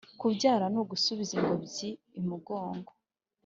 Kubyara ni ugusubiza ingobyi imugongo.